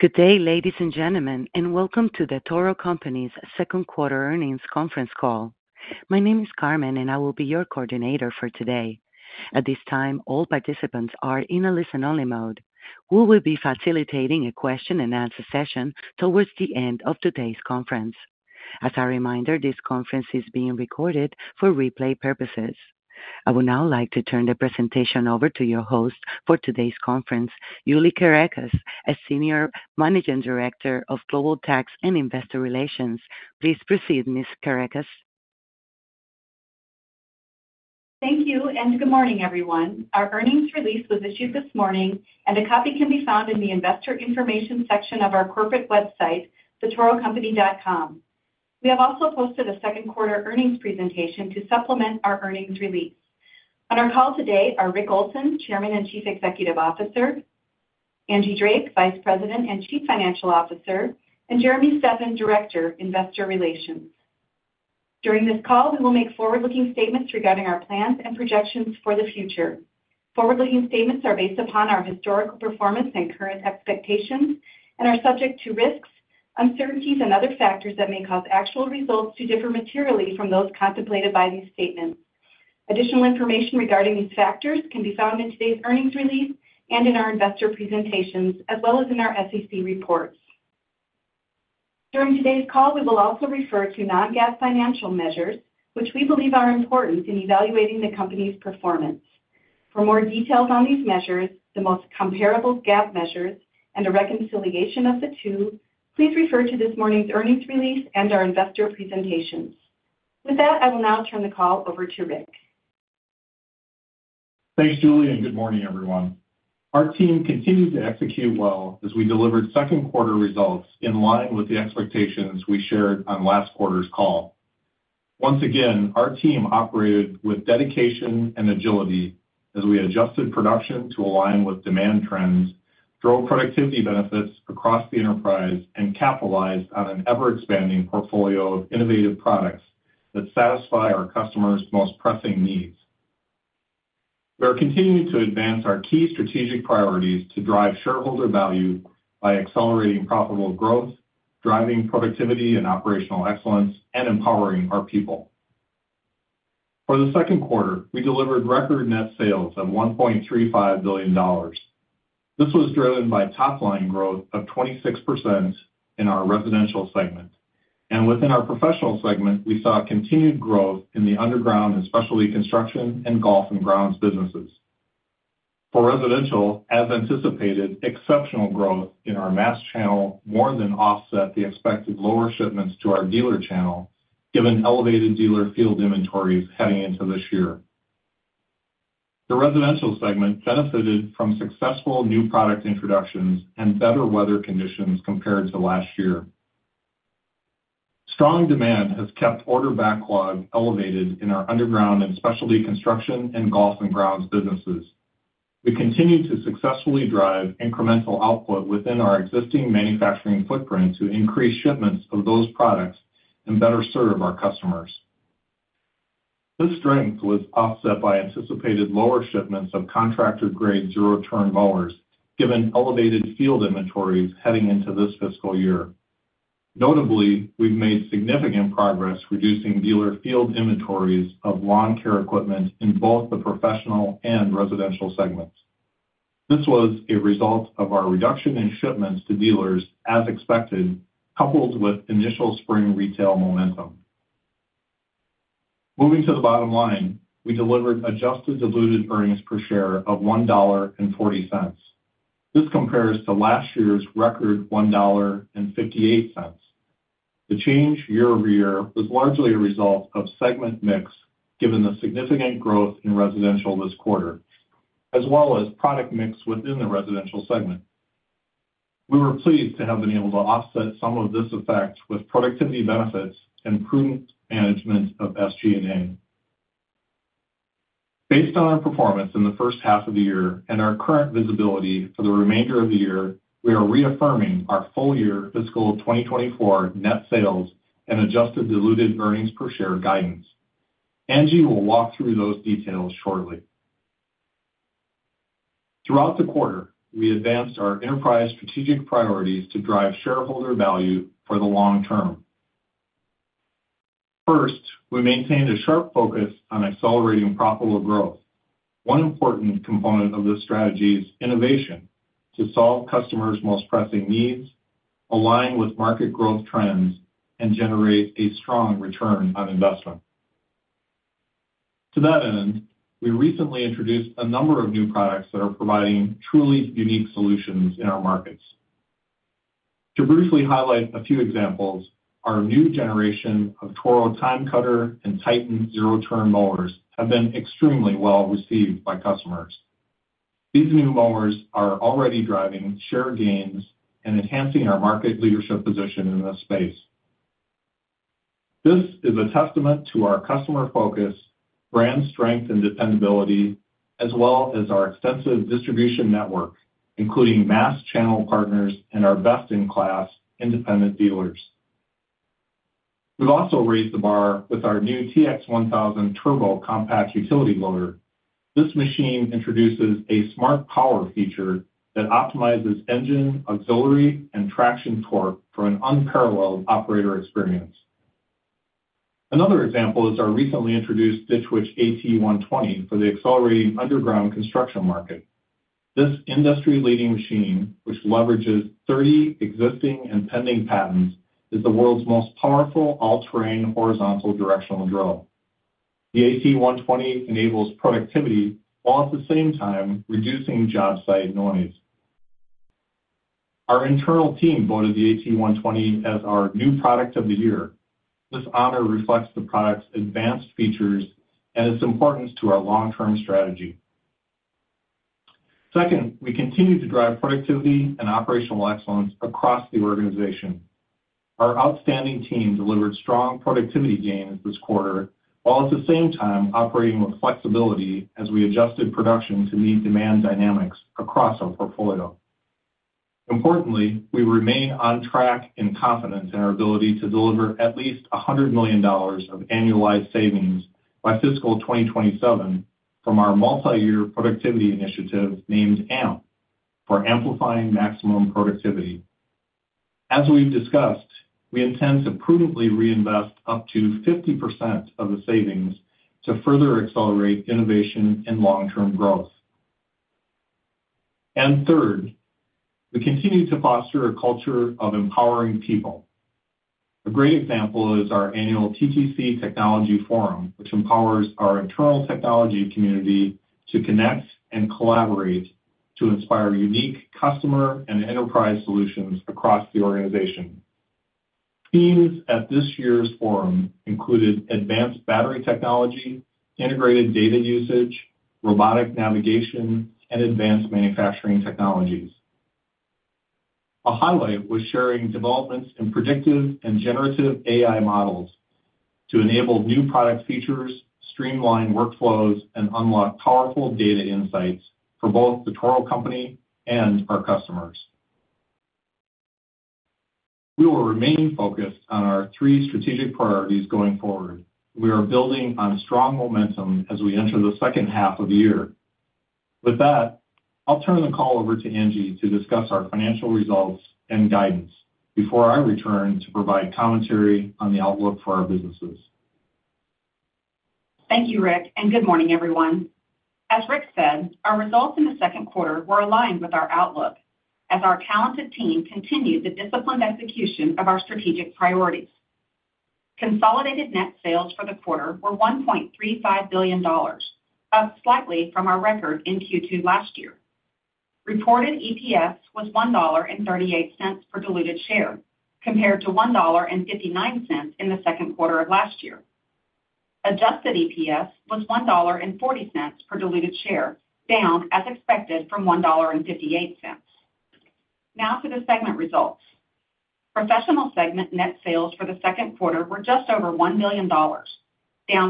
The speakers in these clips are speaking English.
Good day, ladies and gentlemen, and welcome to the Toro Company's second quarter earnings conference call. My name is Carmen, and I will be your coordinator for today. At this time, all participants are in a listen-only mode. We will be facilitating a question-and-answer session towards the end of today's conference. As a reminder, this conference is being recorded for replay purposes. I would now like to turn the presentation over to your host for today's conference, Julie Kerekes, a Senior Managing Director of Global Tax and Investor Relations. Please proceed, Ms. Kerekes. Thank you, and good morning, everyone. Our earnings release was issued this morning, and a copy can be found in the investor information section of our corporate website, torocompany.com. We have also posted a second quarter earnings presentation to supplement our earnings release. On our call today are Rick Olson, Chairman and Chief Executive Officer, Angie Drake, Vice President and Chief Financial Officer, and Jeremy Steffan, Director, Investor Relations. During this call, we will make forward-looking statements regarding our plans and projections for the future. Forward-looking statements are based upon our historical performance and current expectations and are subject to risks, uncertainties, and other factors that may cause actual results to differ materially from those contemplated by these statements. Additional information regarding these factors can be found in today's earnings release and in our investor presentations, as well as in our SEC reports. During today's call, we will also refer to non-GAAP financial measures, which we believe are important in evaluating the company's performance. For more details on these measures, the most comparable GAAP measures, and a reconciliation of the two, please refer to this morning's earnings release and our investor presentations. With that, I will now turn the call over to Rick. Thanks, Julie, and good morning, everyone. Our team continued to execute well as we delivered second quarter results in line with the expectations we shared on last quarter's call. Once again, our team operated with dedication and agility as we adjusted production to align with demand trends, drove productivity benefits across the enterprise, and capitalized on an ever-expanding portfolio of innovative products that satisfy our customers' most pressing needs. We are continuing to advance our key strategic priorities to drive shareholder value by accelerating profitable growth, driving productivity and operational excellence, and empowering our people. For the second quarter, we delivered record net sales of $1.35 billion. This was driven by top-line growth of 26% in our residential segment, and within our professional segment, we saw continued growth in the underground and specialty construction and golf and grounds businesses. For residential, as anticipated, exceptional growth in our mass channel more than offset the expected lower shipments to our dealer channel, given elevated dealer field inventories heading into this year. The residential segment benefited from successful new product introductions and better weather conditions compared to last year. Strong demand has kept order backlog elevated in our underground and specialty construction and golf and grounds businesses. We continue to successfully drive incremental output within our existing manufacturing footprint to increase shipments of those products and better serve our customers. This strength was offset by anticipated lower shipments of contractor grade zero turn mowers, given elevated field inventories heading into this fiscal year. Notably, we've made significant progress reducing dealer field inventories of lawn care equipment in both the professional and residential segments. This was a result of our reduction in shipments to dealers, as expected, coupled with initial spring retail momentum. Moving to the bottom line, we delivered adjusted diluted earnings per share of $1.40. This compares to last year's record, $1.58. The change year-over-year was largely a result of segment mix, given the significant growth in residential this quarter, as well as product mix within the residential segment. We were pleased to have been able to offset some of this effect with productivity benefits and prudent management of SG&A. Based on our performance in the first half of the year and our current visibility for the remainder of the year, we are reaffirming our full-year fiscal 2024 net sales and adjusted diluted earnings per share guidance. Angie will walk through those details shortly. Throughout the quarter, we advanced our enterprise strategic priorities to drive shareholder value for the long term. First, we maintained a sharp focus on accelerating profitable growth. One important component of this strategy is innovation to solve customers' most pressing needs, align with market growth trends, and generate a strong return on investment. To that end, we recently introduced a number of new products that are providing truly unique solutions in our markets. To briefly highlight a few examples, our new generation of Toro TimeCutter and TITAN zero-turn mowers have been extremely well received by customers. These new mowers are already driving share gains and enhancing our market leadership position in this space. This is a testament to our customer focus, brand strength and dependability, as well as our extensive distribution network, including mass channel partners and our best-in-class independent dealers. We've also raised the bar with our new TX1000 Turbo compact utility loader. This machine introduces a smart power feature that optimizes engine, auxiliary, and traction torque for an unparalleled operator experience. Another example is our recently introduced Ditch Witch AT-120 for the accelerating underground construction market. This industry-leading machine, which leverages 30 existing and pending patents, is the world's most powerful all-terrain, horizontal directional drill. The AT-120 enables productivity while at the same time reducing job site noise. Our internal team voted the AT-120 as our new product of the year. This honor reflects the product's advanced features and its importance to our long-term strategy. Second, we continue to drive productivity and operational excellence across the organization. Our outstanding team delivered strong productivity gains this quarter, while at the same time operating with flexibility as we adjusted production to meet demand dynamics across our portfolio. Importantly, we remain on track and confident in our ability to deliver at least $100 million of annualized savings by fiscal 2027 from our multiyear productivity initiative, named AMP, for Amplifying Maximum Productivity. As we've discussed, we intend to prudently reinvest up to 50% of the savings to further accelerate innovation and long-term growth. And third, we continue to foster a culture of empowering people. A great example is our annual TTC Technology Forum, which empowers our internal technology community to connect and collaborate, to inspire unique customer and enterprise solutions across the organization. Themes at this year's forum included advanced battery technology, integrated data usage, robotic navigation, and advanced manufacturing technologies. A highlight was sharing developments in predictive and generative AI models to enable new product features, streamline workflows, and unlock powerful data insights for both the Toro Company and our customers. We will remain focused on our three strategic priorities going forward. We are building on strong momentum as we enter the second half of the year. With that, I'll turn the call over to Angie to discuss our financial results and guidance before I return to provide commentary on the outlook for our businesses. Thank you, Rick, and good morning, everyone. As Rick said, our results in the second quarter were aligned with our outlook as our talented team continued the disciplined execution of our strategic priorities. Consolidated net sales for the quarter were $1.35 billion, up slightly from our record in Q2 last year. Reported EPS was $1.38 per diluted share, compared to $1.59 in the second quarter of last year. Adjusted EPS was $1.40 per diluted share, down, as expected, from $1.58. Now to the segment results. Professional segment net sales for the second quarter were just over $1 million, down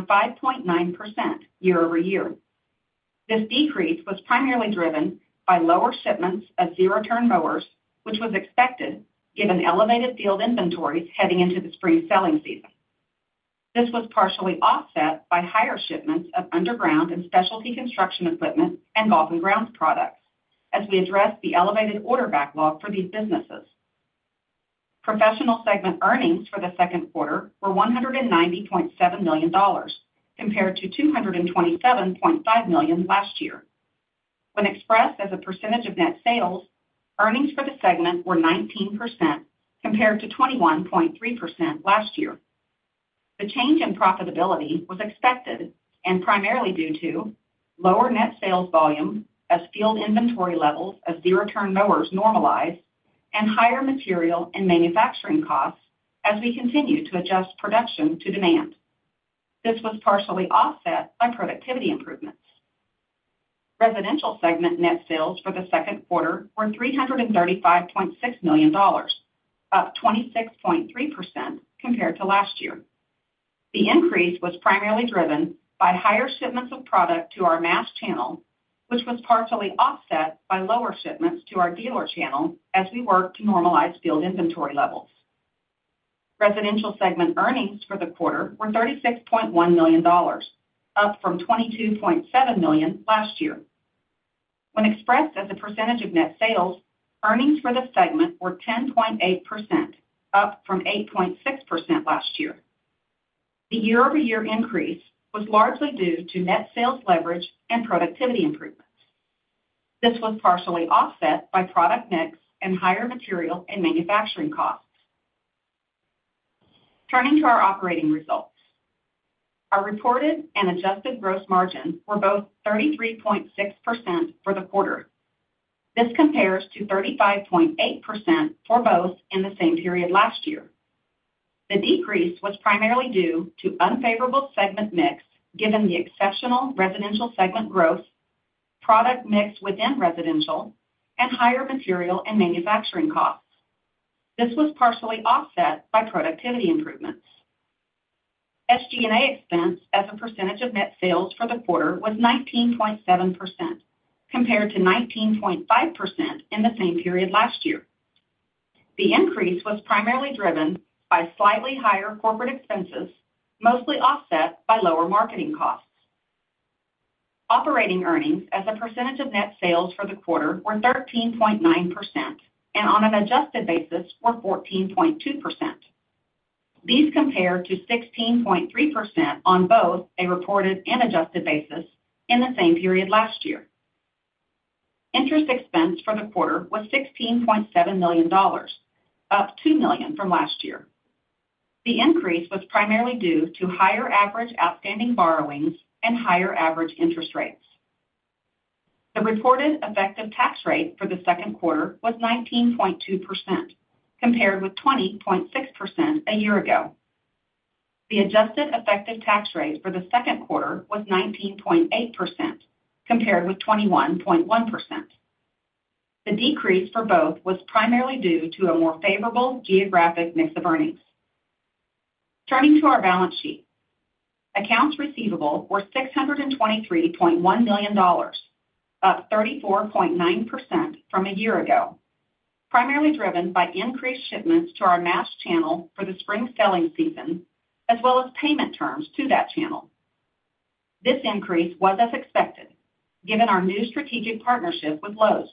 5.9% year-over-year. This decrease was primarily driven by lower shipments of zero-turn mowers, which was expected given elevated field inventories heading into the spring selling season. This was partially offset by higher shipments of underground and specialty construction equipment and golf and grounds products as we addressed the elevated order backlog for these businesses. Professional segment earnings for the second quarter were $190.7 million, compared to $227.5 million last year. When expressed as a percentage of net sales, earnings for the segment were 19%, compared to 21.3% last year. The change in profitability was expected and primarily due to lower net sales volume as field inventory levels of zero-turn mowers normalize and higher material and manufacturing costs as we continue to adjust production to demand. This was partially offset by productivity improvements. Residential segment net sales for the second quarter were $335.6 million, up 26.3% compared to last year. The increase was primarily driven by higher shipments of product to our mass channel, which was partially offset by lower shipments to our dealer channel as we work to normalize field inventory levels. Residential segment earnings for the quarter were $36.1 million, up from $22.7 million last year. When expressed as a percentage of net sales, earnings for the segment were 10.8%, up from 8.6% last year. The year-over-year increase was largely due to net sales leverage and productivity improvements. This was partially offset by product mix and higher material and manufacturing costs. Turning to our operating results. Our reported and adjusted gross margins were both 33.6% for the quarter. This compares to 35.8% for both in the same period last year. The decrease was primarily due to unfavorable segment mix, given the exceptional residential segment growth, product mix within residential, and higher material and manufacturing costs. This was partially offset by productivity improvements. SG&A expense as a percentage of net sales for the quarter was 19.7%, compared to 19.5% in the same period last year. The increase was primarily driven by slightly higher corporate expenses, mostly offset by lower marketing costs. Operating earnings as a percentage of net sales for the quarter were 13.9%, and on an adjusted basis were 14.2%. These compare to 16.3% on both a reported and adjusted basis in the same period last year. Interest expense for the quarter was $16.7 million, up $2 million from last year. The increase was primarily due to higher average outstanding borrowings and higher average interest rates. The reported effective tax rate for the second quarter was 19.2%, compared with 20.6% a year ago. The adjusted effective tax rate for the second quarter was 19.8%, compared with 21.1%. The decrease for both was primarily due to a more favorable geographic mix of earnings. Turning to our balance sheet. Accounts receivable were $623.1 million, up 34.9% from a year ago, primarily driven by increased shipments to our mass channel for the spring selling season, as well as payment terms to that channel. This increase was as expected, given our new strategic partnership with Lowe's.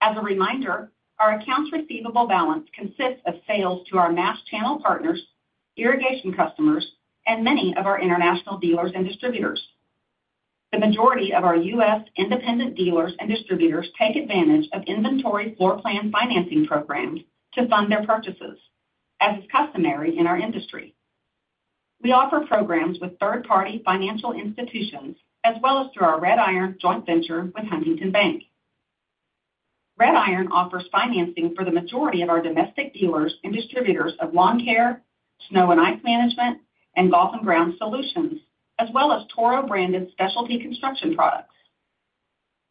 As a reminder, our accounts receivable balance consists of sales to our mass channel partners, irrigation customers, and many of our international dealers and distributors. The majority of our U.S. independent dealers and distributors take advantage of inventory floor plan financing programs to fund their purchases, as is customary in our industry. We offer programs with third-party financial institutions, as well as through our Red Iron joint venture with Huntington Bank. Red Iron offers financing for the majority of our domestic dealers and distributors of lawn care, snow and ice management, and golf and ground solutions, as well as Toro-branded specialty construction products.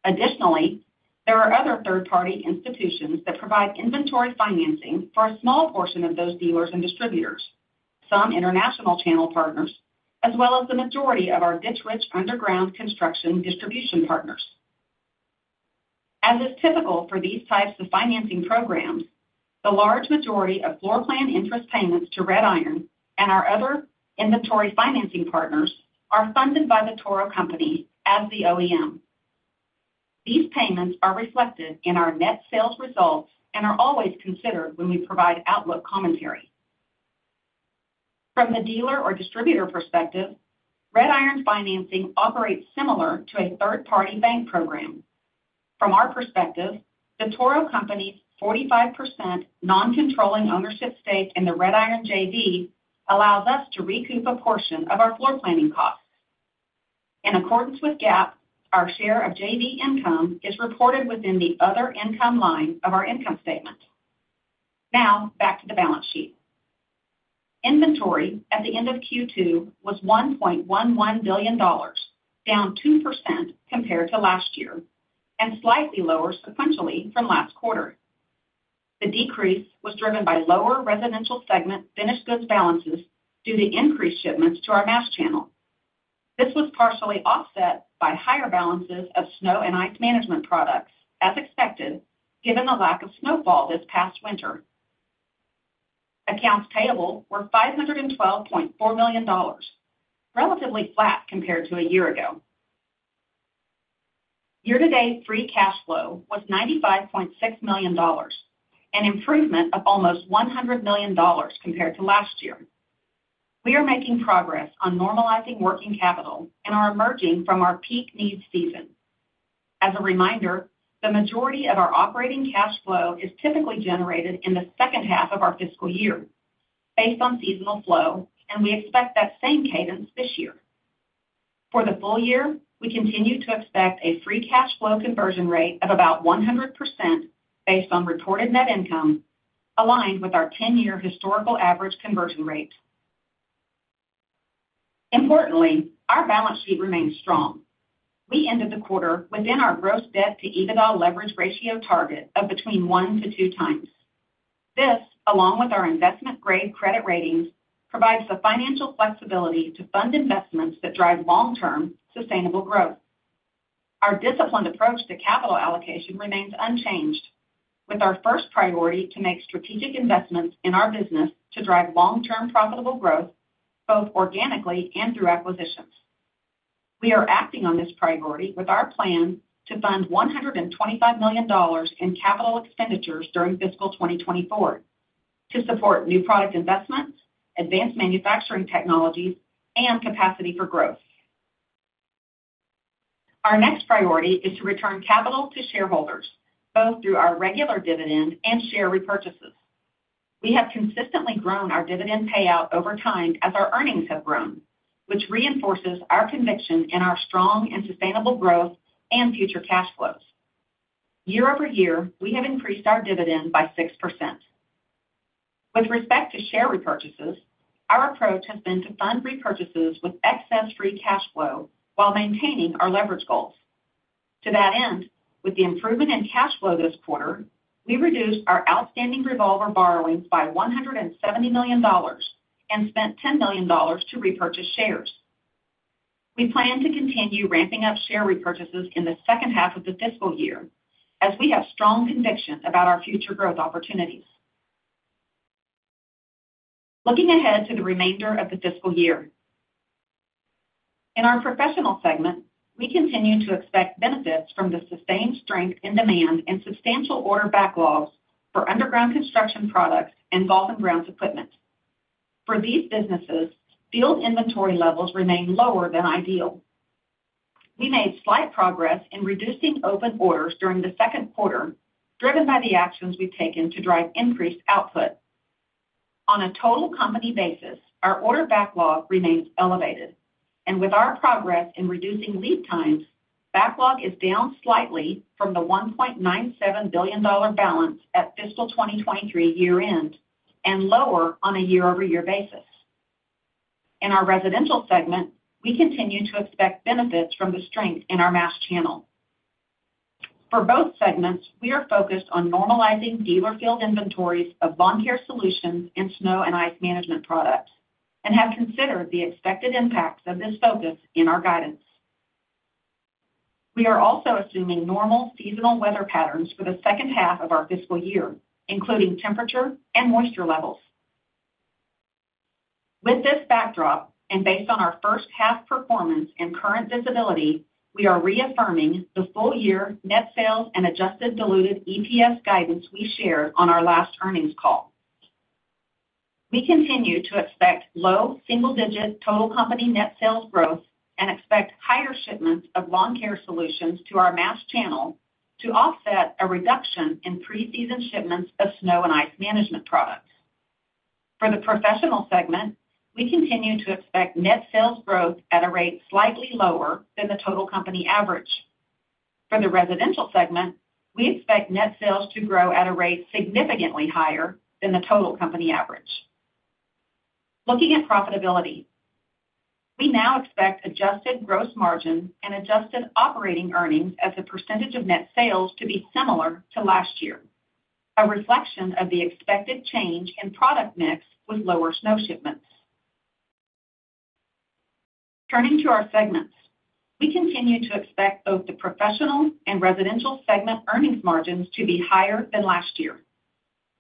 Additionally, there are other third-party institutions that provide inventory financing for a small portion of those dealers and distributors, some international channel partners, as well as the majority of our Ditch Witch underground construction distribution partners. As is typical for these types of financing programs, the large majority of floor plan interest payments to Red Iron and our other inventory financing partners are funded by The Toro Company as the OEM. These payments are reflected in our net sales results and are always considered when we provide outlook commentary. From the dealer or distributor perspective, Red Iron's financing operates similar to a third-party bank program. From our perspective, The Toro Company's 45% non-controlling ownership stake in the Red Iron JV allows us to recoup a portion of our floor planning costs. In accordance with GAAP, our share of JV income is reported within the other income line of our income statement. Now, back to the balance sheet. Inventory at the end of Q2 was $1.11 billion, down 2% compared to last year, and slightly lower sequentially from last quarter. The decrease was driven by lower residential segment finished goods balances due to increased shipments to our mass channel. This was partially offset by higher balances of snow and ice management products, as expected, given the lack of snowfall this past winter. Accounts payable were $512.4 million, relatively flat compared to a year ago. Year-to-date free cash flow was $95.6 million, an improvement of almost $100 million compared to last year. We are making progress on normalizing working capital and are emerging from our peak needs season. As a reminder, the majority of our operating cash flow is typically generated in the second half of our fiscal year, based on seasonal flow, and we expect that same cadence this year. For the full year, we continue to expect a free cash flow conversion rate of about 100% based on reported net income, aligned with our 10-year historical average conversion rate. Importantly, our balance sheet remains strong. We ended the quarter within our gross debt to EBITDA leverage ratio target of between 1x-2x. This, along with our investment-grade credit ratings, provides the financial flexibility to fund investments that drive long-term, sustainable growth. Our disciplined approach to capital allocation remains unchanged, with our first priority to make strategic investments in our business to drive long-term profitable growth, both organically and through acquisitions. We are acting on this priority with our plan to fund $125 million in capital expenditures during fiscal 2024 to support new product investments, advanced manufacturing technologies, and capacity for growth. Our next priority is to return capital to shareholders, both through our regular dividend and share repurchases. We have consistently grown our dividend payout over time as our earnings have grown, which reinforces our conviction in our strong and sustainable growth and future cash flows. Year-over-year, we have increased our dividend by 6%. With respect to share repurchases, our approach has been to fund repurchases with excess free cash flow while maintaining our leverage goals. To that end, with the improvement in cash flow this quarter, we reduced our outstanding revolver borrowings by $170 million and spent $10 million to repurchase shares. We plan to continue ramping up share repurchases in the second half of the fiscal year, as we have strong conviction about our future growth opportunities. Looking ahead to the remainder of the fiscal year. In our Professional segment, we continue to expect benefits from the sustained strength in demand and substantial order backlogs for underground construction products and Ventrac brands equipment. For these businesses, field inventory levels remain lower than ideal. We made slight progress in reducing open orders during the second quarter, driven by the actions we've taken to drive increased output. On a total company basis, our order backlog remains elevated, and with our progress in reducing lead times, backlog is down slightly from the $1.97 billion balance at fiscal 2023 year-end and lower on a year-over-year basis. In our Residential segment, we continue to expect benefits from the strength in our mass channel. For both segments, we are focused on normalizing dealer field inventories of lawn care solutions and snow and ice management products, and have considered the expected impacts of this focus in our guidance. We are also assuming normal seasonal weather patterns for the second half of our fiscal year, including temperature and moisture levels. With this backdrop, and based on our first half performance and current visibility, we are reaffirming the full year net sales and adjusted diluted EPS guidance we shared on our last earnings call. We continue to expect low single-digit total company net sales growth and expect higher shipments of lawn care solutions to our mass channel to offset a reduction in preseason shipments of snow and ice management products. For the Professional segment, we continue to expect net sales growth at a rate slightly lower than the total company average. For the Residential segment, we expect net sales to grow at a rate significantly higher than the total company average. Looking at profitability, we now expect adjusted gross margin and adjusted operating earnings as a percentage of net sales to be similar to last year, a reflection of the expected change in product mix with lower snow shipments. Turning to our segments, we continue to expect both the Professional and Residential segment earnings margins to be higher than last year.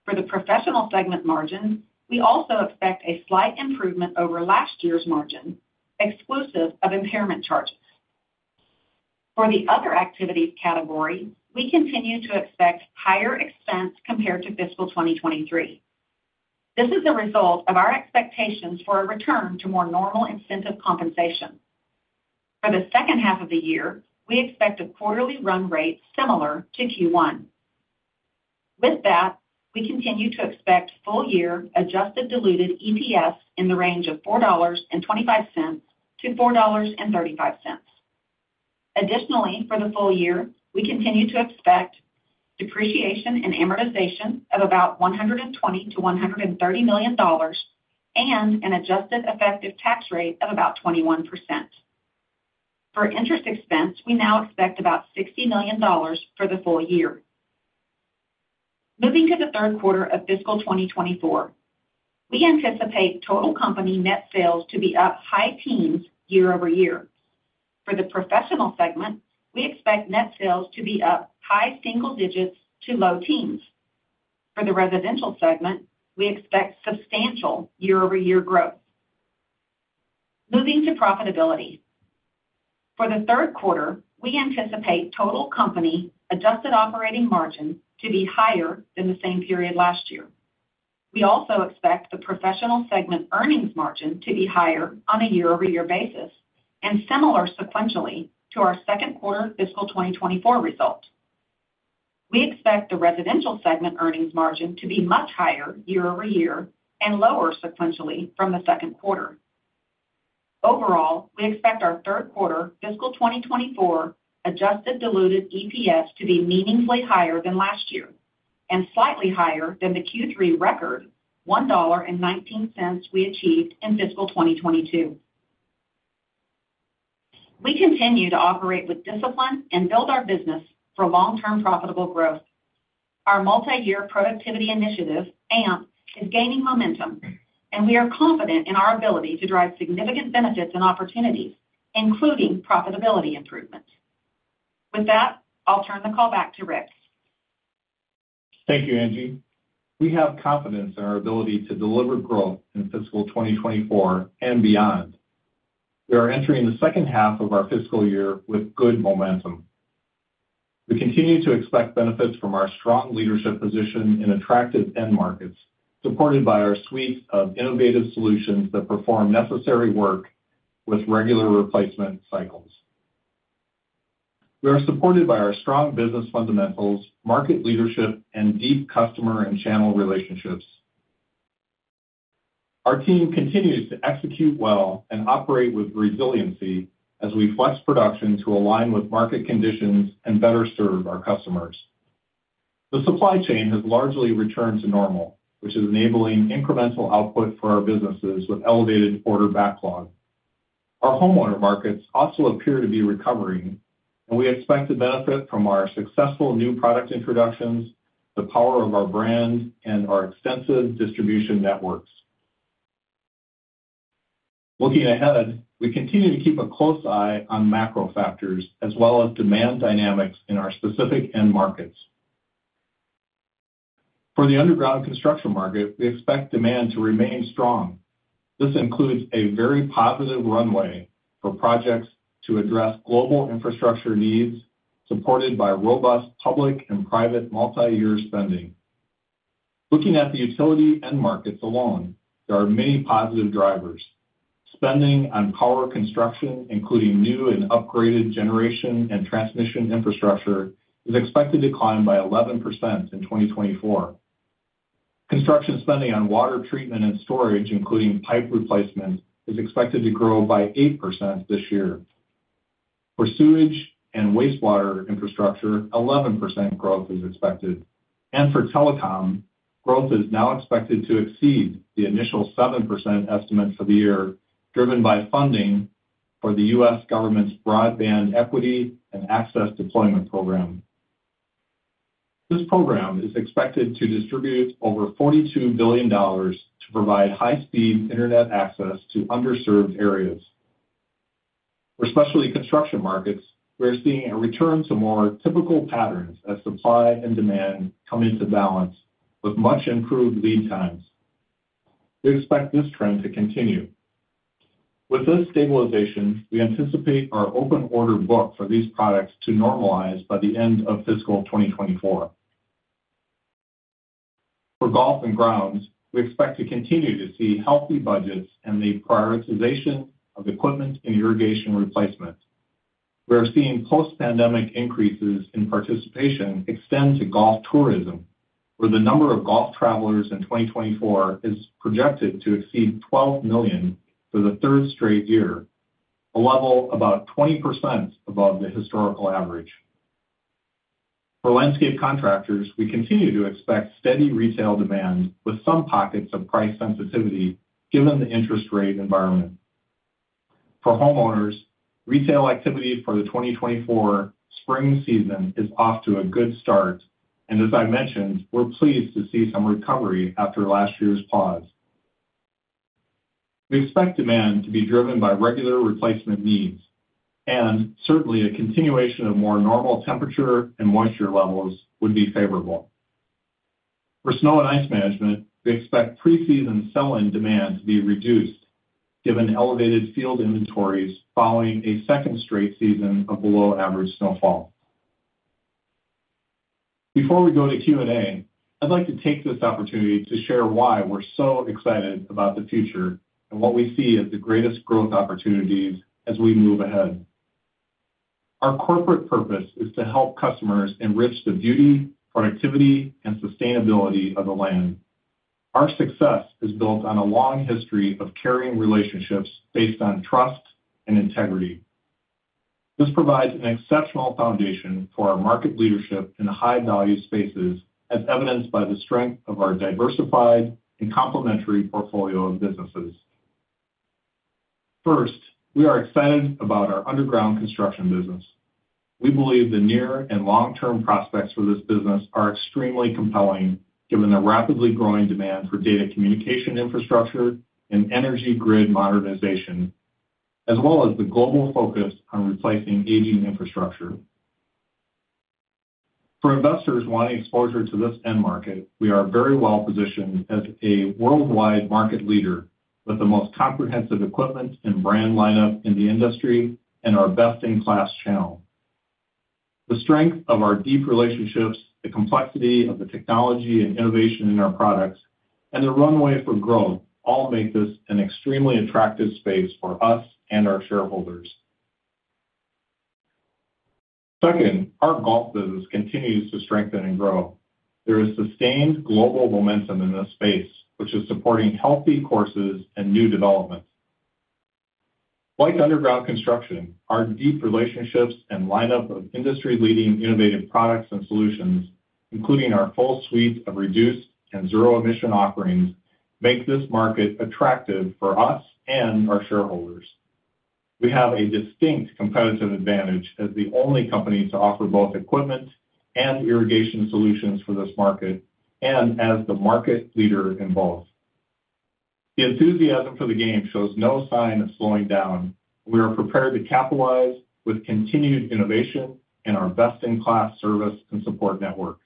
For the Professional segment margin, we also expect a slight improvement over last year's margin, exclusive of impairment charges. For the other activities category, we continue to expect higher expense compared to fiscal 2023. This is a result of our expectations for a return to more normal incentive compensation. For the second half of the year, we expect a quarterly run rate similar to Q1. With that, we continue to expect full-year adjusted diluted EPS in the range of $4.25-$4.35. Additionally, for the full year, we continue to expect depreciation and amortization of about $120 million-$130 million and an adjusted effective tax rate of about 21%. For interest expense, we now expect about $60 million for the full year. Moving to the third quarter of fiscal 2024, we anticipate total company net sales to be up high teens year-over-year. For the Professional segment, we expect net sales to be up high single digits to low teens. For the Residential segment, we expect substantial year-over-year growth. Moving to profitability. For the third quarter, we anticipate total company adjusted operating margin to be higher than the same period last year. We also expect the Professional segment earnings margin to be higher on a year-over-year basis and similar sequentially to our second quarter fiscal 2024 result. We expect the Residential segment earnings margin to be much higher year-over-year and lower sequentially from the second quarter. Overall, we expect our third quarter fiscal 2024 adjusted diluted EPS to be meaningfully higher than last year and slightly higher than the Q3 record, $1.19, we achieved in fiscal 2022. We continue to operate with discipline and build our business for long-term profitable growth. Our multi-year productivity initiative, AMP, is gaining momentum, and we are confident in our ability to drive significant benefits and opportunities, including profitability improvements. With that, I'll turn the call back to Rick. Thank you, Angie. We have confidence in our ability to deliver growth in fiscal 2024 and beyond. We are entering the second half of our fiscal year with good momentum. We continue to expect benefits from our strong leadership position in attractive end markets, supported by our suite of innovative solutions that perform necessary work with regular replacement cycles. We are supported by our strong business fundamentals, market leadership, and deep customer and channel relationships. Our team continues to execute well and operate with resiliency as we flex production to align with market conditions and better serve our customers. The supply chain has largely returned to normal, which is enabling incremental output for our businesses with elevated order backlog. Our homeowner markets also appear to be recovering, and we expect to benefit from our successful new product introductions, the power of our brand, and our extensive distribution networks. Looking ahead, we continue to keep a close eye on macro factors as well as demand dynamics in our specific end markets. For the underground construction market, we expect demand to remain strong. This includes a very positive runway for projects to address global infrastructure needs, supported by robust public and private multiyear spending. Looking at the utility end markets alone, there are many positive drivers. Spending on power construction, including new and upgraded generation and transmission infrastructure, is expected to climb by 11% in 2024. Construction spending on water treatment and storage, including pipe replacement, is expected to grow by 8% this year. For sewage and wastewater infrastructure, 11% growth is expected, and for telecom, growth is now expected to exceed the initial 7% estimate for the year, driven by funding for the U.S. government's Broadband Equity and Access Deployment program. This program is expected to distribute over $42 billion to provide high-speed internet access to underserved areas. For specialty construction markets, we are seeing a return to more typical patterns as supply and demand come into balance with much improved lead times. We expect this trend to continue. With this stabilization, we anticipate our open order book for these products to normalize by the end of fiscal 2024. For golf and grounds, we expect to continue to see healthy budgets and the prioritization of equipment and irrigation replacement. We are seeing post-pandemic increases in participation extend to golf tourism, where the number of golf travelers in 2024 is projected to exceed 12 million for the third straight year, a level about 20% above the historical average. For landscape contractors, we continue to expect steady retail demand with some pockets of price sensitivity, given the interest rate environment. For homeowners, retail activity for the 2024 spring season is off to a good start, and as I mentioned, we're pleased to see some recovery after last year's pause. We expect demand to be driven by regular replacement needs, and certainly, a continuation of more normal temperature and moisture levels would be favorable. For snow and ice management, we expect preseason sell-in demand to be reduced, given elevated field inventories following a second straight season of below-average snowfall. Before we go to Q&A, I'd like to take this opportunity to share why we're so excited about the future and what we see as the greatest growth opportunities as we move ahead. Our corporate purpose is to help customers enrich the beauty, productivity, and sustainability of the land. Our success is built on a long history of caring relationships based on trust and integrity. This provides an exceptional foundation for our market leadership in high-value spaces, as evidenced by the strength of our diversified and complementary portfolio of businesses. First, we are excited about our underground construction business. We believe the near- and long-term prospects for this business are extremely compelling, given the rapidly growing demand for data communication infrastructure and energy grid modernization, as well as the global focus on replacing aging infrastructure. For investors wanting exposure to this end market, we are very well positioned as a worldwide market leader with the most comprehensive equipment and brand lineup in the industry and our best-in-class channel. The strength of our deep relationships, the complexity of the technology and innovation in our products, and the runway for growth all make this an extremely attractive space for us and our shareholders. Second, our golf business continues to strengthen and grow. There is sustained global momentum in this space, which is supporting healthy courses and new developments. Like underground construction, our deep relationships and lineup of industry-leading, innovative products and solutions, including our full suite of reduced and zero-emission offerings, make this market attractive for us and our shareholders. We have a distinct competitive advantage as the only company to offer both equipment and irrigation solutions for this market, and as the market leader in both. The enthusiasm for the game shows no sign of slowing down. We are prepared to capitalize with continued innovation and our best-in-class service and support network.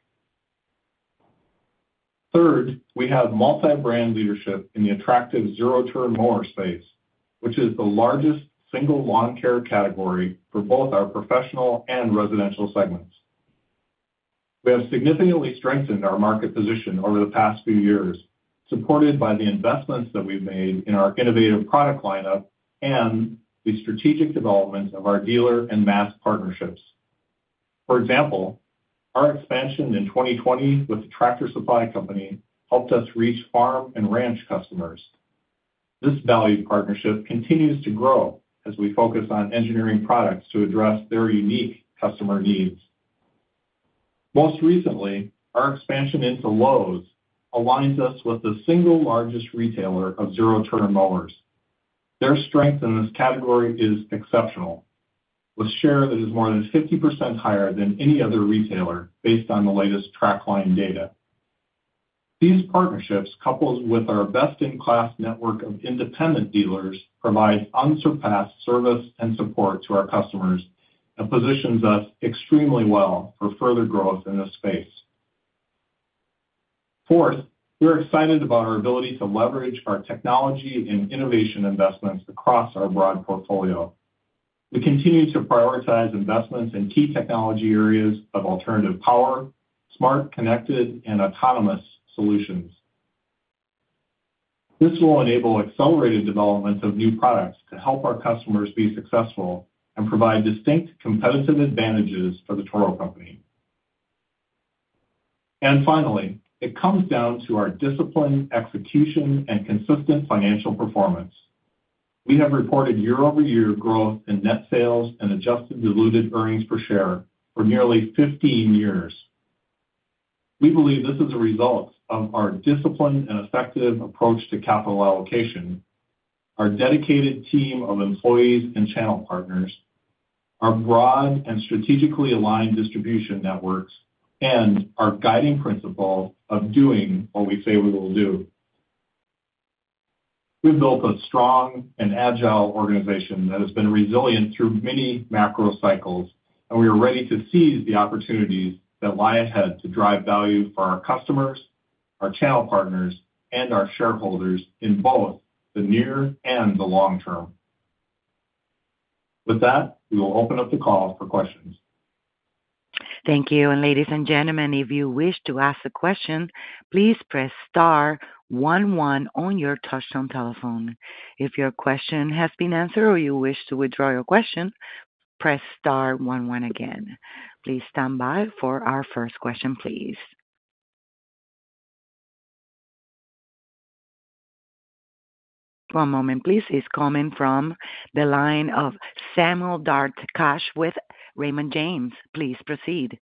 Third, we have multi-brand leadership in the attractive zero-turn mower space, which is the largest single lawn care category for both our professional and residential segments. We have significantly strengthened our market position over the past few years, supported by the investments that we've made in our innovative product lineup and the strategic development of our dealer and mass partnerships. For example, our expansion in 2020 with Tractor Supply Company helped us reach farm and ranch customers. This valued partnership continues to grow as we focus on engineering products to address their unique customer needs. Most recently, our expansion into Lowe's aligns us with the single largest retailer of zero-turn mowers. Their strength in this category is exceptional, with share that is more than 50% higher than any other retailer based on the latest TraQline data. These partnerships, coupled with our best-in-class network of independent dealers, provide unsurpassed service and support to our customers and positions us extremely well for further growth in this space. Fourth, we are excited about our ability to leverage our technology and innovation investments across our broad portfolio. We continue to prioritize investments in key technology areas of alternative power, smart, connected, and autonomous solutions. This will enable accelerated development of new products to help our customers be successful and provide distinct competitive advantages for The Toro Company. And finally, it comes down to our disciplined execution and consistent financial performance. We have reported year-over-year growth in net sales and adjusted diluted earnings per share for nearly 15 years. We believe this is a result of our disciplined and effective approach to capital allocation, our dedicated team of employees and channel partners, our broad and strategically aligned distribution networks, and our guiding principle of doing what we say we will do. We've built a strong and agile organization that has been resilient through many macro cycles, and we are ready to seize the opportunities that lie ahead to drive value for our customers, our channel partners, and our shareholders in both the near and the long term. With that, we will open up the call for questions. Thank you. Ladies and gentlemen, if you wish to ask a question, please press star one one on your touchtone telephone. If your question has been answered or you wish to withdraw your question, press star one one again. Please stand by for our first question, please. One moment, please, is coming from the line of Samuel Darkatsh with Raymond James. Please proceed.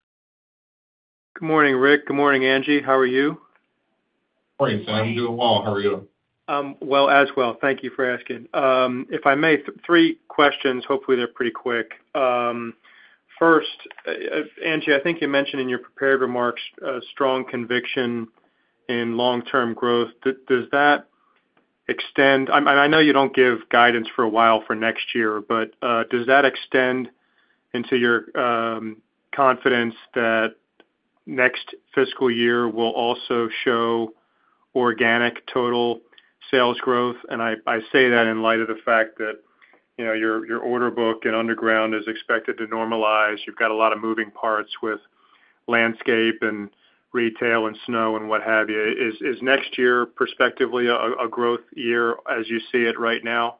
Good morning, Rick. Good morning, Angie. How are you? Morning, Sam. Doing well. How are you? Well, as well. Thank you for asking. If I may, three questions. Hopefully, they're pretty quick. First, Angie, I think you mentioned in your prepared remarks, strong conviction in long-term growth. Does that extend and I know you don't give guidance for a while for next year, but, does that extend into your, confidence that next fiscal year will also show organic total sales growth? And I, I say that in light of the fact that, you know, your, your order book and underground is expected to normalize. You've got a lot of moving parts with landscape and retail and snow and what have you. Is, is next year prospectively a, a growth year as you see it right now?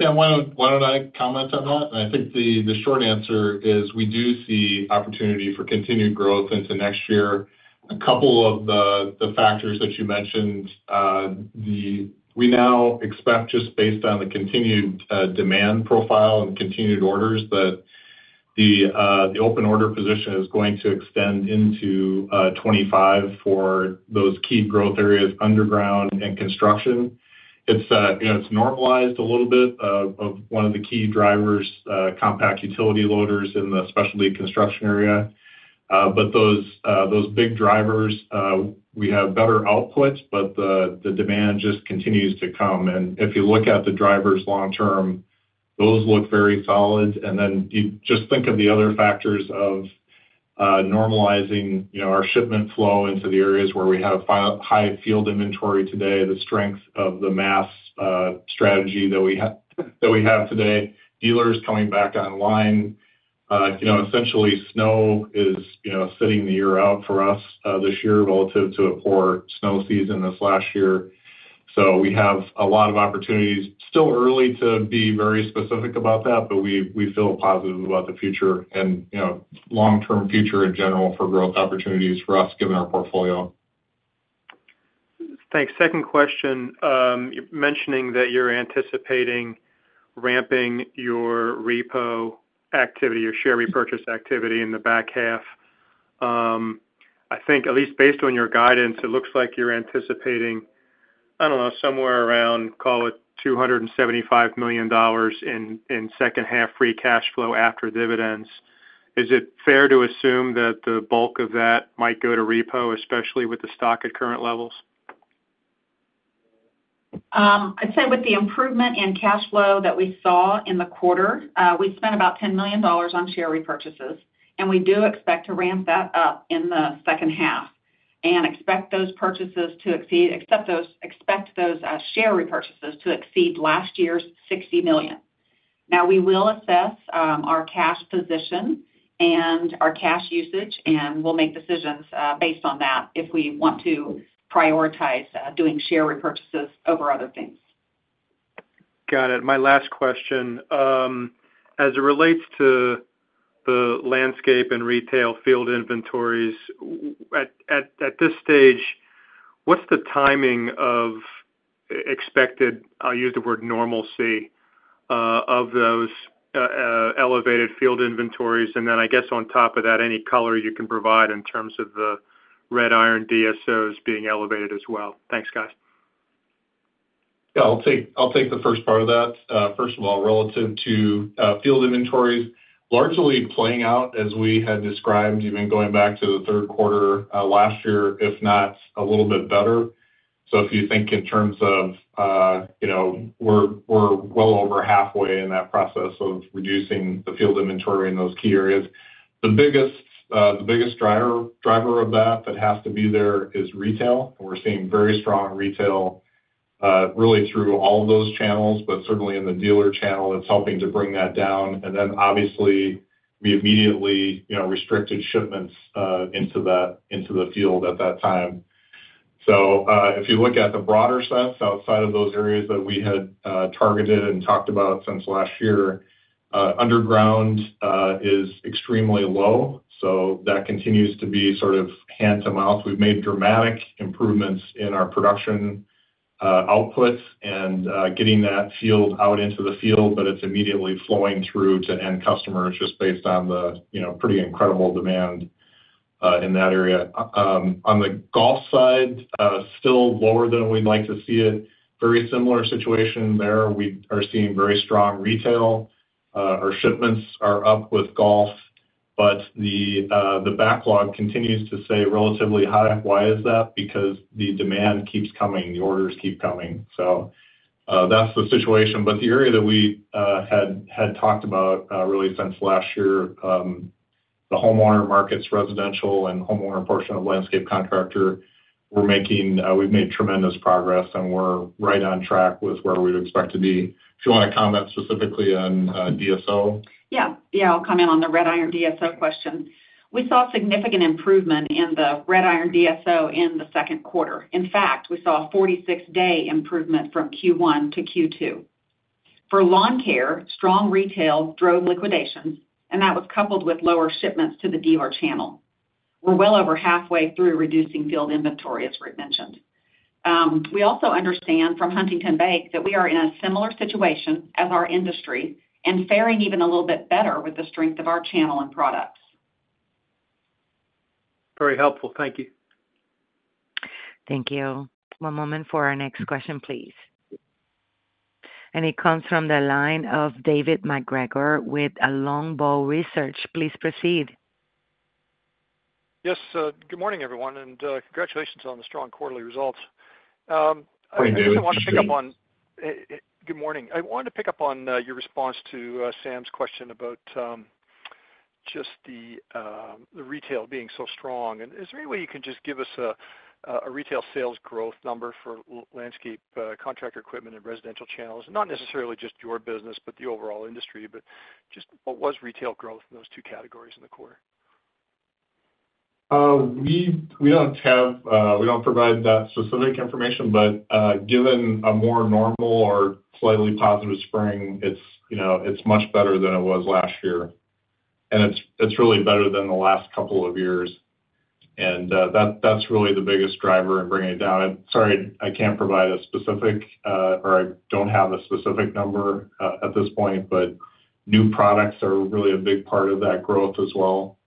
Sam, why don't I comment on that? I think the short answer is we do see opportunity for continued growth into next year. A couple of the factors that you mentioned, we now expect, just based on the continued demand profile and continued orders, that the open order position is going to extend into 2025 for those key growth areas, underground and construction. It's you know, it's normalized a little bit of one of the key drivers, compact utility loaders in the specialty construction area. But those big drivers, we have better output, but the demand just continues to come. And if you look at the drivers long term, those look very solid. And then you just think of the other factors of normalizing, you know, our shipment flow into the areas where we have high field inventory today, the strength of the mass strategy that we have today, dealers coming back online. You know, essentially, snow is, you know, sitting the year out for us this year relative to a poor snow season this last year. So we have a lot of opportunities. Still early to be very specific about that, but we feel positive about the future and, you know, long-term future in general for growth opportunities for us, given our portfolio. Thanks. Second question. You're mentioning that you're anticipating ramping your repo activity, your share repurchase activity in the back half. I think, at least based on your guidance, it looks like you're anticipating, I don't know, somewhere around, call it $275 million in, in second half free cash flow after dividends. Is it fair to assume that the bulk of that might go to repo, especially with the stock at current levels? I'd say with the improvement in cash flow that we saw in the quarter, we spent about $10 million on share repurchases, and we do expect to ramp that up in the second half and expect those purchases to exceed expect those share repurchases to exceed last year's $60 million. Now, we will assess our cash position and our cash usage, and we'll make decisions based on that if we want to prioritize doing share repurchases over other things. Got it. My last question, as it relates to the landscape and retail field inventories, at this stage, what's the timing of expected normalcy of those elevated field inventories? And then I guess on top of that, any color you can provide in terms of the Red Iron DSOs being elevated as well. Thanks, guys. Yeah, I'll take the first part of that. First of all, relative to field inventories, largely playing out as we had described, even going back to the third quarter last year, if not a little bit better. So if you think in terms of, you know, we're well over halfway in that process of reducing the field inventory in those key areas. The biggest driver of that has to be retail. And we're seeing very strong retail really through all of those channels, but certainly in the dealer channel, it's helping to bring that down. And then obviously, we immediately, you know, restricted shipments into the field at that time. So, if you look at the broader sense outside of those areas that we had targeted and talked about since last year, underground is extremely low, so that continues to be sort of hand to mouth. We've made dramatic improvements in our production outputs and getting that field out into the field, but it's immediately flowing through to end customers just based on the, you know, pretty incredible demand in that area. On the golf side, still lower than we'd like to see it. Very similar situation there. We are seeing very strong retail. Our shipments are up with golf, but the backlog continues to stay relatively high. Why is that? Because the demand keeps coming, the orders keep coming. So, that's the situation. But the area that we had talked about really since last year, the homeowner markets, residential and homeowner portion of landscape contractor, we're making, we've made tremendous progress, and we're right on track with where we'd expect to be. If you wanna comment specifically on DSO? Yeah. Yeah, I'll comment on the Red Iron DSO question. We saw significant improvement in the Red Iron DSO in the second quarter. In fact, we saw a 46-day improvement from Q1 to Q2. For lawn care, strong retail drove liquidations, and that was coupled with lower shipments to the dealer channel. We're well over halfway through reducing field inventory, as Rick mentioned. We also understand from Huntington Bank that we are in a similar situation as our industry, and faring even a little bit better with the strength of our channel and products. Very helpful. Thank you. Thank you. One moment for our next question, please. It comes from the line of David MacGregor with Longbow Research. Please proceed. Yes, good morning, everyone, and congratulations on the strong quarterly results. I did wanna pick up on- Good morning. Good morning. I wanted to pick up on your response to Sam's question about just the retail being so strong. Is there any way you can just give us a retail sales growth number for landscape contractor equipment and residential channels? Not necessarily just your business, but the overall industry, just what was retail growth in those two categories in the quarter? We don't provide that specific information, but given a more normal or slightly positive spring, you know, it's much better than it was last year. And it's really better than the last couple of years. And that's really the biggest driver in bringing it down. And sorry, I can't provide a specific, or I don't have a specific number at this point, but new products are really a big part of that growth as well.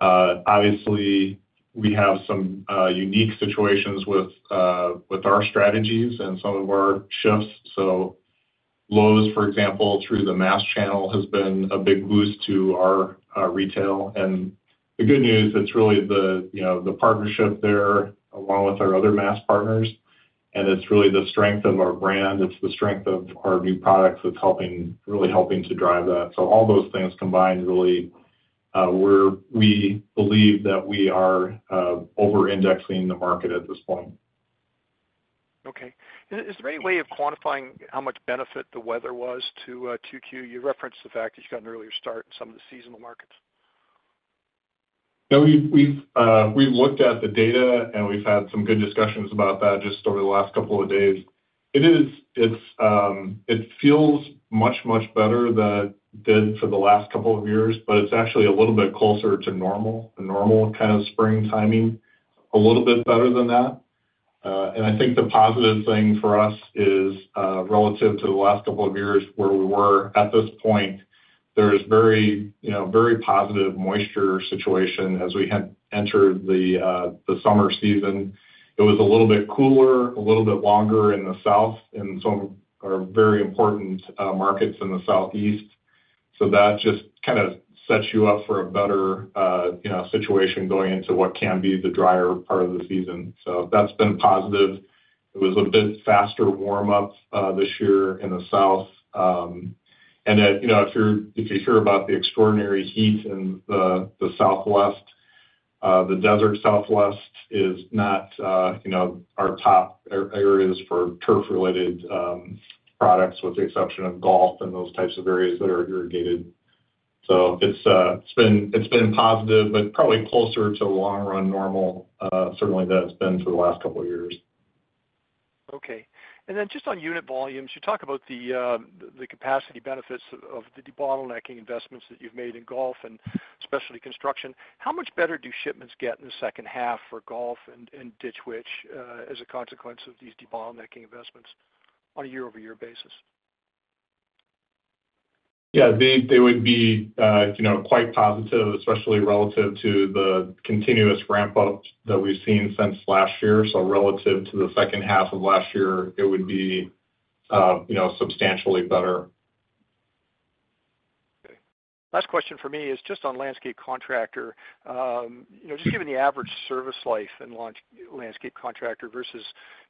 Obviously, we have some unique situations with our strategies and some of our shifts. So Lowe's, for example, through the mass channel, has been a big boost to our retail. And the good news, it's really the, you know, the partnership there, along with our other mass partners, and it's really the strength of our brand, it's the strength of our new products that's helping, really helping to drive that. So all those things combined, really, we believe that we are over-indexing the market at this point. Okay. Is there any way of quantifying how much benefit the weather was to 2Q? You referenced the fact that you got an earlier start in some of the seasonal markets. Yeah, we've looked at the data, and we've had some good discussions about that just over the last couple of days. It feels much, much better than it did for the last couple of years, but it's actually a little bit closer to normal, the normal kind of spring timing, a little bit better than that. And I think the positive thing for us is, relative to the last couple of years where we were at this point, there is very, you know, very positive moisture situation as we had entered the summer season. It was a little bit cooler, a little bit longer in the south, in some of our very important markets in the southeast. So that just kind of sets you up for a better, you know, situation going into what can be the drier part of the season. So that's been positive. It was a bit faster warm up, this year in the south. And at, you know, if you're-- if you hear about the extraordinary heat in the, the southwest, the desert southwest is not, you know, our top areas for turf-related, products, with the exception of golf and those types of areas that are irrigated. So it's, it's been, it's been positive, but probably closer to long run normal, certainly than it's been for the last couple of years. Okay. And then just on unit volumes, you talk about the capacity benefits of the debottlenecking investments that you've made in golf and specialty construction. How much better do shipments get in the second half for golf and Ditch Witch as a consequence of these debottlenecking investments on a year-over-year basis? Yeah, they would be, you know, quite positive, especially relative to the continuous ramp up that we've seen since last year. So relative to the second half of last year, it would be, you know, substantially better. Okay. Last question for me is just on landscape contractor. You know, just given the average service life in lawn-landscape contractor versus,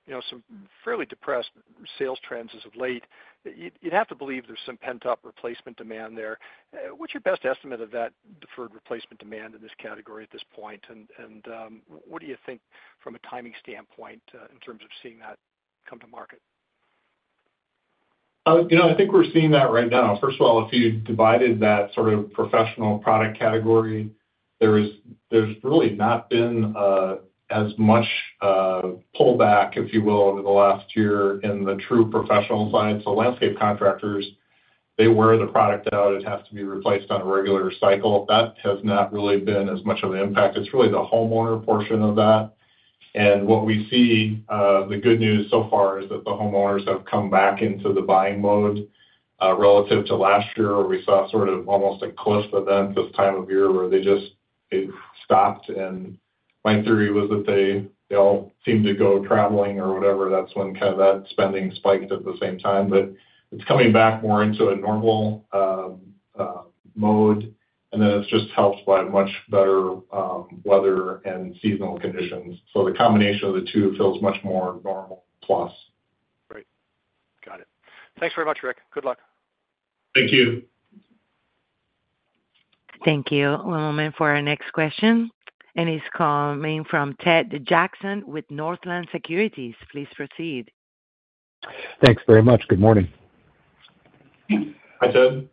you know, some fairly depressed sales trends as of late, you'd, you'd have to believe there's some pent-up replacement demand there. What's your best estimate of that deferred replacement demand in this category at this point? And, and, what do you think from a timing standpoint, in terms of seeing that come to market? You know, I think we're seeing that right now. First of all, if you divided that sort of professional product category, there's really not been as much pullback, if you will, over the last year in the true professional side. So landscape contractors, they wear the product out, it has to be replaced on a regular cycle. That has not really been as much of an impact. It's really the homeowner portion of that. And what we see, the good news so far is that the homeowners have come back into the buying mode, relative to last year, where we saw sort of almost a cliff event this time of year, where they just, they stopped. And my theory was that they, they all seemed to go traveling or whatever. That's when kind of that spending spiked at the same time, but it's coming back more into a normal, mode, and then it's just helped by much better, weather and seasonal conditions. So the combination of the two feels much more normal, plus. Great. Got it. Thanks very much, Rick. Good luck. Thank you. Thank you. One moment for our next question, and it's coming from Ted Jackson with Northland Securities. Please proceed. Thanks very much. Good morning. Hi, Ted.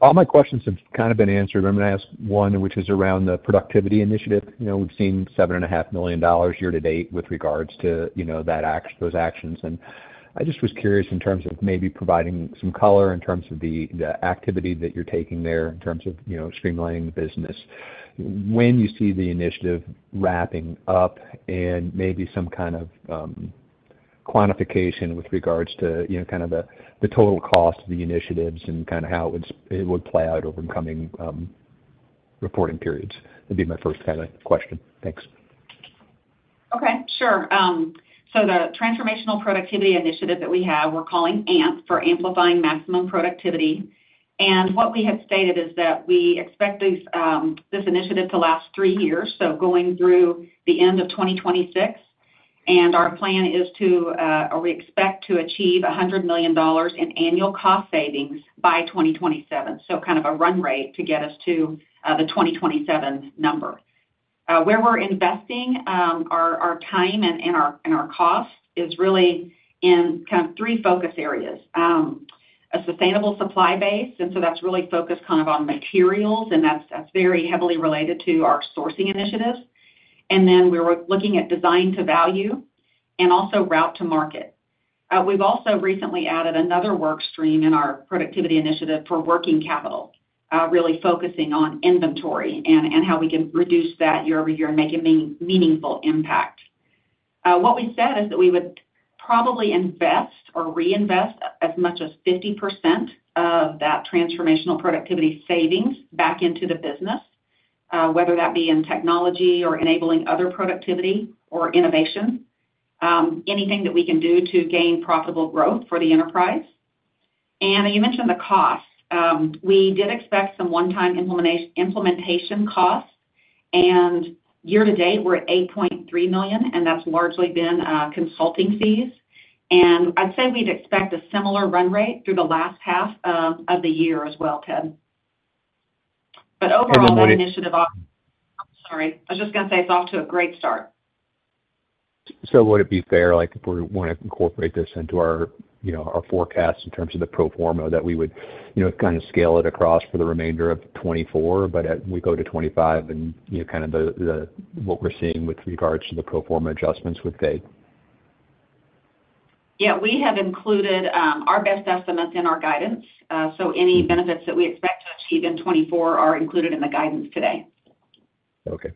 All my questions have kind of been answered. I'm gonna ask one, which is around the productivity initiative. You know, we've seen $7.5 million year to date with regards to, you know, those actions, and I just was curious in terms of maybe providing some color, in terms of the, the activity that you're taking there, in terms of, you know, streamlining the business. When you see the initiative wrapping up and maybe some kind of quantification with regards to, you know, kind of the, the total cost of the initiatives and kind of how it would, it would play out over coming reporting periods. That'd be my first kind of question. Thanks. Okay, sure. The transformational productivity initiative that we have, we're calling AMP for Amplifying Maximum Productivity. What we have stated is that we expect this initiative to last three years, so going through the end of 2026. Our plan is to, or we expect to achieve $100 million in annual cost savings by 2027, so kind of a run rate to get us to the 2027 number. Where we're investing our time and our cost is really in kind of three focus areas. A sustainable supply base, and so that's really focused kind of on materials, and that's very heavily related to our sourcing initiatives. Then we're looking at design to value and also route to market. We've also recently added another work stream in our productivity initiative for working capital, really focusing on inventory and how we can reduce that year-over-year and make a meaningful impact. What we said is that we would probably invest or reinvest as much as 50% of that transformational productivity savings back into the business, whether that be in technology or enabling other productivity or innovation, anything that we can do to gain profitable growth for the enterprise. You mentioned the cost. We did expect some one-time implementation costs, and year to date, we're at $8.3 million, and that's largely been consulting fees. I'd say we'd expect a similar run rate through the last half of the year as well, Ted. But overall, that initiative, sorry, I was just gonna say it's off to a great start. So would it be fair, like, if we wanna incorporate this into our, you know, our forecast in terms of the pro forma, that we would, you know, kind of scale it across for the remainder of 2024, but as we go to 2025 and, you know, kind of the, the, what we're seeing with regards to the pro forma adjustments would fade? Yeah, we have included our best estimates in our guidance. So any benefits that we expect to achieve in 2024 are included in the guidance today. Okay.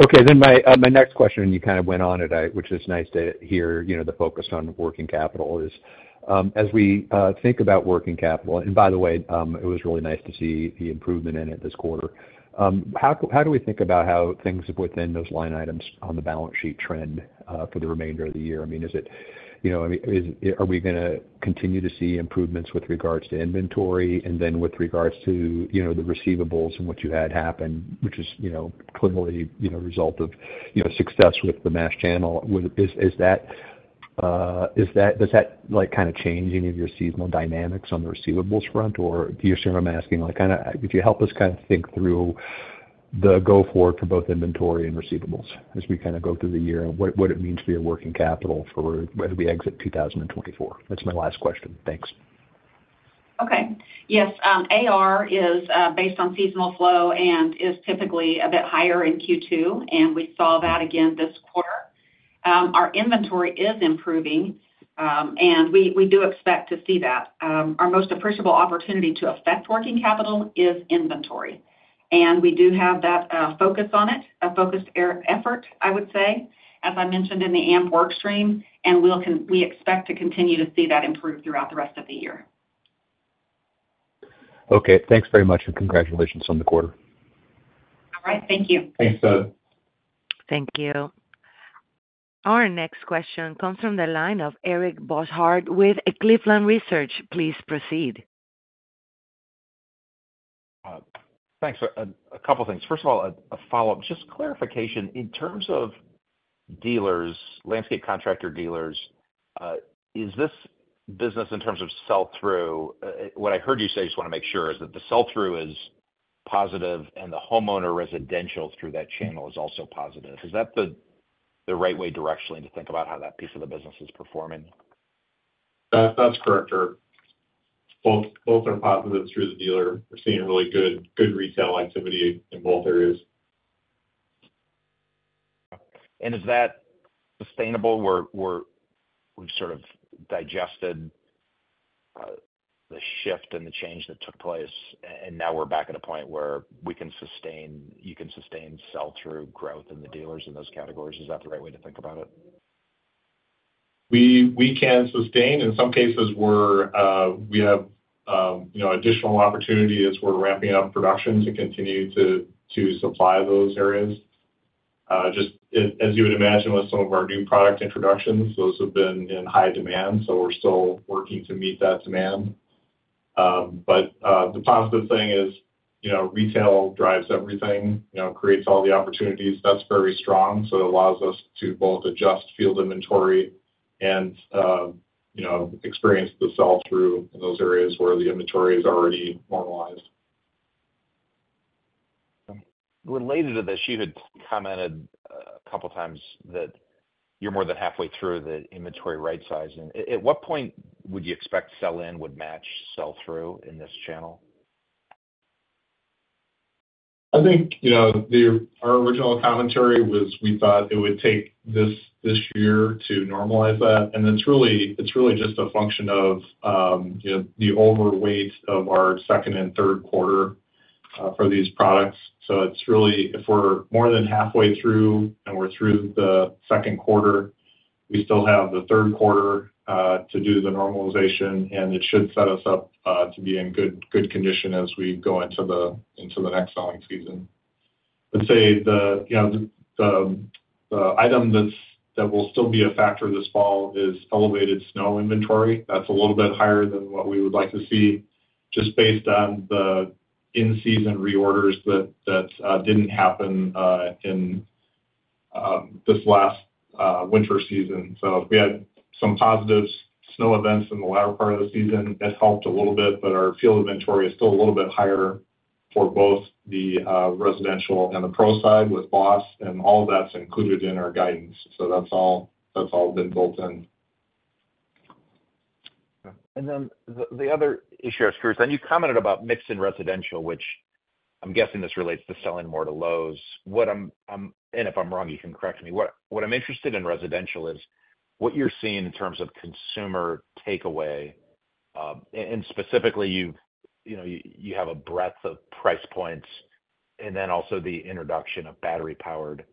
Okay, then my next question, you kind of went on it, which is nice to hear, you know, the focus on working capital is, as we think about working capital, and by the way, it was really nice to see the improvement in it this quarter. How do we think about how things within those line items on the balance sheet trend for the remainder of the year? I mean, is it, you know, I mean, are we gonna continue to see improvements with regards to inventory and then with regards to, you know, the receivables and what you had happen, which is, you know, clearly, you know, a result of, you know, success with the mass channel? Is that, does that, like, kind of change any of your seasonal dynamics on the receivables front? Or do you see what I'm asking, like, kind of, could you help us kind of think through the go forward for both inventory and receivables as we kind of go through the year, and what, what it means for your working capital for whether we exit 2024? That's my last question. Thanks. Okay. Yes, AR is based on seasonal flow and is typically a bit higher in Q2, and we saw that again this quarter. Our inventory is improving, and we do expect to see that. Our most appreciable opportunity to affect working capital is inventory. We do have that focus on it, a focused effort, I would say, as I mentioned in the AMP work stream, and we expect to continue to see that improve throughout the rest of the year. Okay. Thanks very much, and congratulations on the quarter. All right, thank you. Thanks, Ted. Thank you. Our next question comes from the line of Eric Bosshard with Cleveland Research. Please proceed. Thanks. A couple things. First of all, a follow-up. Just clarification, in terms of dealers, landscape contractor dealers, is this business in terms of sell-through? What I heard you say, I just wanna make sure, is that the sell-through is positive, and the homeowner residential through that channel is also positive. Is that the right way directionally to think about how that piece of the business is performing? That's correct, Eric. Both are positive through the dealer. We're seeing really good retail activity in both areas. Is that sustainable, where we've sort of digested the shift and the change that took place, and now we're back at a point where you can sustain sell-through growth in the dealers in those categories? Is that the right way to think about it? We can sustain. In some cases, we have you know additional opportunity as we're ramping up production to continue to supply those areas. Just as you would imagine with some of our new product introductions, those have been in high demand, so we're still working to meet that demand. But the positive thing is, you know, retail drives everything, you know, creates all the opportunities. That's very strong, so it allows us to both adjust field inventory and experience the sell-through in those areas where the inventory is already normalized. Related to this, you had commented a couple times that you're more than halfway through the inventory right-sizing. At what point would you expect sell-in would match sell-through in this channel? I think, you know, our original commentary was we thought it would take this year to normalize that, and it's really just a function of, you know, the overweight of our second and third quarter for these products. So it's really, if we're more than halfway through, and we're through the second quarter, we still have the third quarter to do the normalization, and it should set us up to be in good condition as we go into the next selling season. Let's say, you know, the item that will still be a factor this fall is elevated snow inventory. That's a little bit higher than what we would like to see, just based on the in-season reorders that didn't happen in this last winter season. So we had some positives, snow events in the latter part of the season. It helped a little bit, but our field inventory is still a little bit higher for both the residential and the pro side with BOSS, and all that's included in our guidance. So that's all, that's all been built in. Okay. And then the other issue I was curious, and you commented about mix in residential, which I'm guessing this relates to selling more to Lowe's. What I'm- and if I'm wrong, you can correct me. What I'm interested in residential is what you're seeing in terms of consumer takeaway, and specifically, you know, you have a breadth of price points and then also the introduction of battery-powered.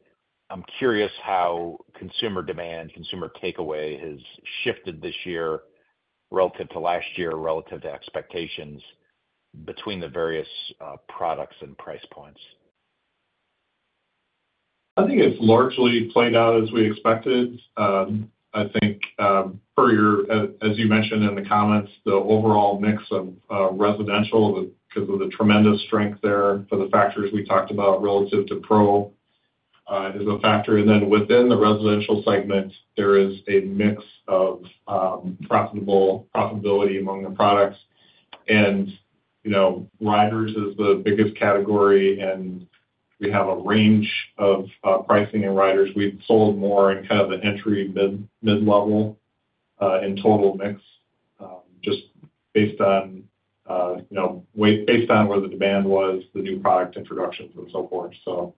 I'm curious how consumer demand, consumer takeaway has shifted this year relative to last year, relative to expectations between the various products and price points. I think it's largely played out as we expected. I think, per your, as you mentioned in the comments, the overall mix of residential, because of the tremendous strength there for the factors we talked about relative to pro, is a factor. And then within the residential segment, there is a mix of profitability among the products. And, you know, riders is the biggest category, and we have a range of pricing in riders. We've sold more in kind of an entry, mid-level, in total mix, just based on, you know, based on where the demand was, the new product introductions and so forth. So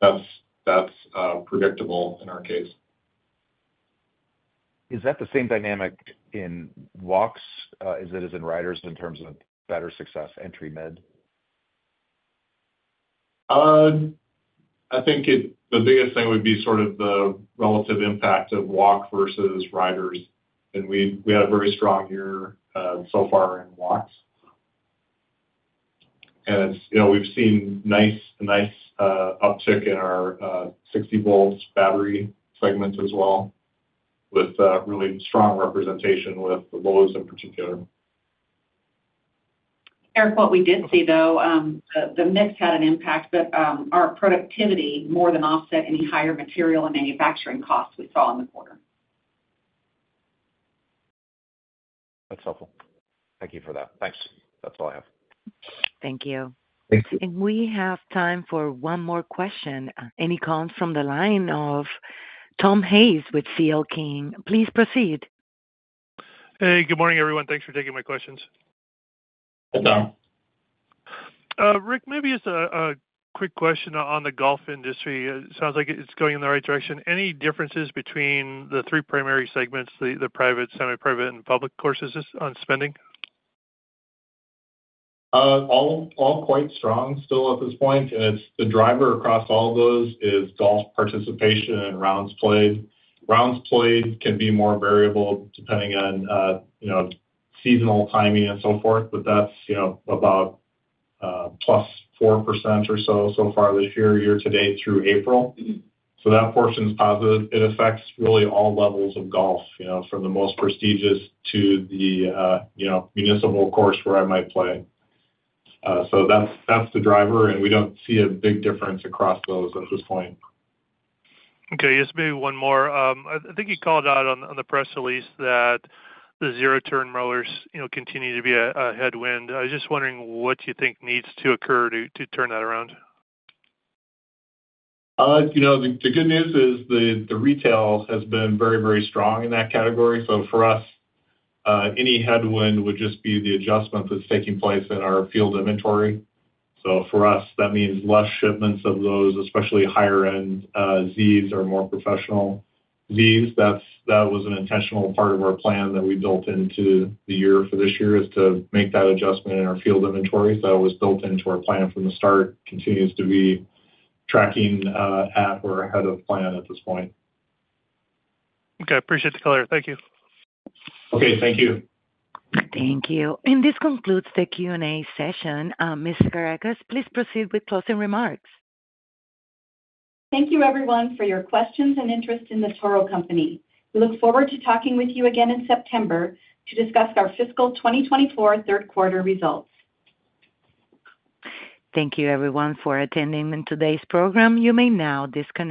that's predictable in our case. Is that the same dynamic in walks, as it is in riders in terms of better success, entry, mid? I think the biggest thing would be sort of the relative impact of walk versus riders, and we had a very strong year so far in walks. And, you know, we've seen nice uptick in our 60V battery segment as well, with really strong representation with the Lowe's in particular. Eric, what we did see, though, the mix had an impact, but our productivity more than offset any higher material and manufacturing costs we saw in the quarter. That's helpful. Thank you for that. Thanks. That's all I have. Thank you. Thank you. We have time for one more question. Any comments from the line of Tom Hayes with CL King? Please proceed. Hey, good morning, everyone. Thanks for taking my questions. Hey, Tom. Rick, maybe just a quick question on the golf industry. It sounds like it's going in the right direction. Any differences between the three primary segments, the private, semi-private, and public courses on spending? All quite strong still at this point, and it's the driver across all those is golf participation and rounds played. Rounds played can be more variable depending on, you know, seasonal timing and so forth, but that's, you know, about +4% or so, so far this year, year to date through April. So that portion is positive. It affects really all levels of golf, you know, from the most prestigious to the, you know, municipal course where I might play. So that's the driver, and we don't see a big difference across those at this point. Okay, just maybe one more. I think you called out on the press release that the zero-turn mowers, you know, continue to be a headwind. I was just wondering what you think needs to occur to turn that around? You know, the good news is the retail has been very, very strong in that category. So for us, any headwind would just be the adjustment that's taking place in our field inventory. So for us, that means less shipments of those, especially higher-end Zs or more professional Zs. That was an intentional part of our plan that we built into the year for this year, is to make that adjustment in our field inventory. So it was built into our plan from the start, continues to be tracking at or ahead of plan at this point. Okay, appreciate the color. Thank you. Okay, thank you. Thank you. This concludes the Q&A session. Ms. Kerekes, please proceed with closing remarks. Thank you everyone for your questions and interest in The Toro Company. We look forward to talking with you again in September to discuss our fiscal 2024 third quarter results. Thank you everyone for attending in today's program. You may now disconnect.